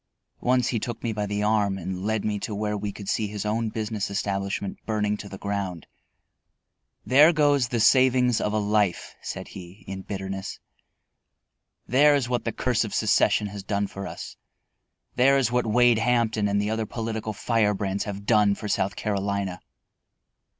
Once he took me by the arm and led me to where we could see his own business establishment burning to the ground. "There goes the savings of a life," said he, in bitterness. "There is what the curse of secession has done for us; there is what Wade Hampton and the other political firebrands have done for South Carolina."